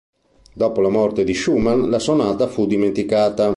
Dopo la morte di Schumann la sonata fu dimenticata.